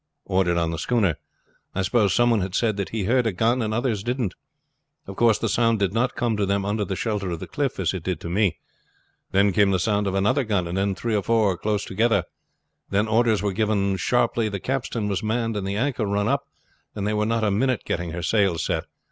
ordered on the schooner. I suppose some one had said that he heard a gun, and other's didn't. Of course the sound did not come to them under the shelter of the cliff as it did to me. Then came the sound of another gun, and then three or four close together; then orders were given sharply, the capstan was manned and the anchor run up, and they were not a minute getting her sails set.